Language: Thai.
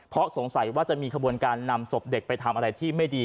เพราะสงสัยว่าจะมีขบวนการนำศพเด็กไปทำอะไรที่ไม่ดี